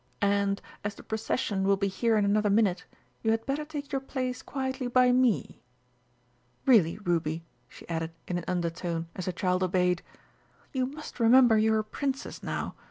And, as the procession will be here in another minute, you had better take your place quietly by me.... Really, Ruby," she added in an undertone, as the child obeyed, "you must remember you're a Princess now.